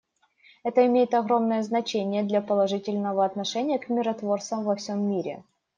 Это имеет огромное значение для положительного отношения к миротворцам во всем мире.